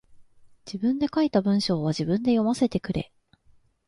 自分で書いた文章は自分で読ませてくれ。